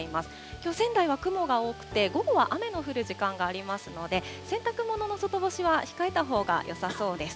きょう、仙台は雲が多くて、午後は雨の降る時間がありますので、洗濯物の外干しは控えたほうがよさそうです。